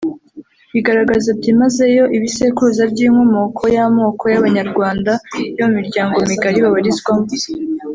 bigaragaza byimazeyo Ibisekuruza by’inkomoko y’amoko y’Abanyarwanda yo mu miryango migari babarizwamo